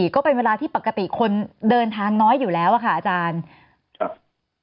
ก็เป็นเวลาที่ปกติคนเดินทางน้อยอยู่แล้วอะค่ะอาจารย์ครับ